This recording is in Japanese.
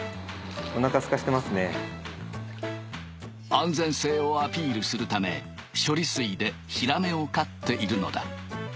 安全性をアピールするため処理水でヒラメを飼っているのだ。